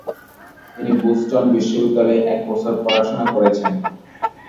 তিনি বোস্টন বিশ্ববিদ্যালয়ে এক বছর পড়াশোনা করেছেন।